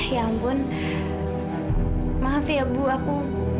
ya ampun maaf ya bu aku